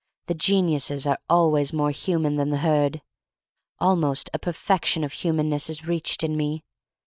The geniuses are always more human than the herd. Almost a perfection of humanness is reached in me.